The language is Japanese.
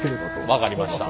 分かりました。